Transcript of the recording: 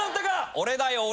俺だよ俺！